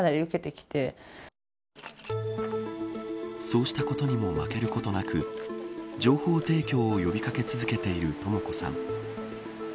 そうしたことにも負けることなく情報提供を呼び掛け続けているとも子さん。